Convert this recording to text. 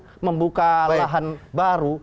dia akan membuka lahan baru